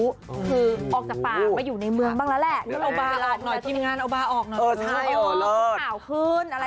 คือออกจากป่าวไปอยู่ในเมืองบ้างแล้วแหละ